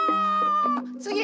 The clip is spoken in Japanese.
つぎ。